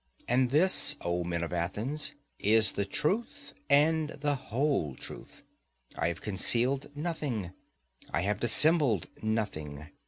And this, O men of Athens, is the truth and the whole truth; I have concealed nothing, I have dissembled nothing.